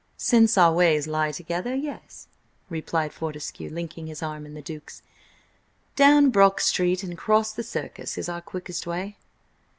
"Since our ways lie together, yes," replied Fortescue, linking his arm in the Duke's. "Down Brock Street and across the Circus is our quickest way."